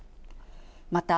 また、